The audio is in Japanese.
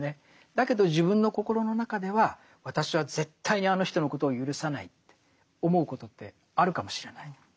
だけど自分の心の中では私は絶対にあの人のことをゆるさないって思うことってあるかもしれない。